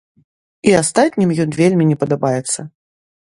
І астатнім ён вельмі не падабаецца.